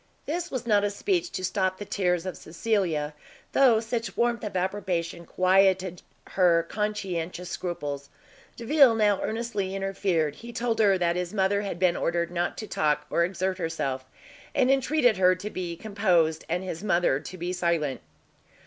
This was not a speech to stop the tears of Cecilia, though such warmth of approbation quieted her conscientious scruples. Delvile now earnestly interfered; he told her that his mother had been ordered not to talk or exert herself, and entreated her to be composed, and his mother to be silent.